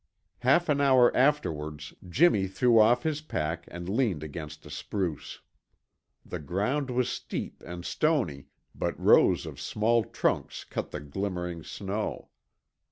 Half an hour afterwards Jimmy threw off his pack and leaned against a spruce. The ground was steep and stony, but rows of small trunks cut the glimmering snow.